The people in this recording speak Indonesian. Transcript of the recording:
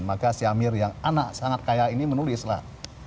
maka si amir yang anak sangat kaya ini menulislah